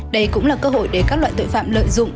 đây cũng là cơ hội để các loại tội phạm lợi dụng